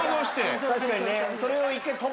確かにね。